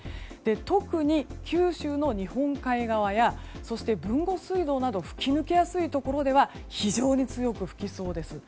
特に九州の日本海側や豊後水道など吹き抜けやすいところでは非常に強く吹きそうです。